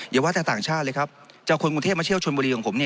อย่าว่าแต่ต่างชาติเลยครับจะเอาคนกรุงเทพมาเที่ยวชนบุรีของผม